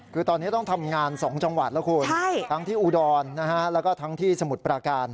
คือตอนนี้ต้องทำงาน๒จังหวัดแล้วคุณทั้งที่อุดรแล้วก็ทั้งที่สมุทรปราการ